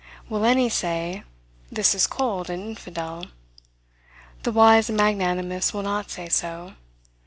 Will any say, this is cold and infidel? The wise and magnanimous will not say so.